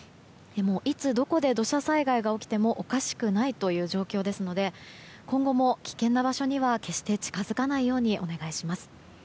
いつどこで土砂災害が起きてもおかしくない状況ですので今後も危険な場所には決して近づかないようにお願いします。